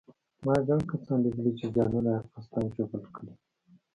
ما ګڼ کسان لیدلي چې ځانونه یې قصداً ژوبل کړي.